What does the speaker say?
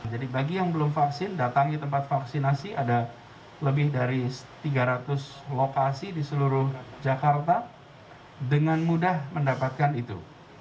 jadi bagi yang belum vaksin datang di tempat vaksinasi ada lebih dari tiga ratus lokasi di seluruh jakarta dengan mudah mendapatkan itu